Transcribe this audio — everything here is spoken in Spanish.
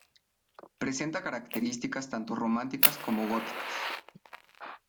Presenta características tanto románicas como góticas.